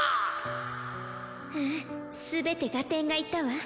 うんすべて合点がいったわ。